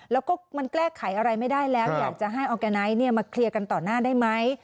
แล้วก็มันแก้ไขอะไรไม่ได้แล้วอยากจะให้ออร์แกไนท์มาเคลียร์กันต่อหน้าได้ไหม